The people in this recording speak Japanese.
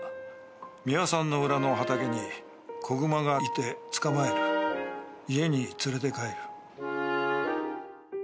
「三輪さんの裏の畑に子熊がいて捕まえる」「家に連れて帰る」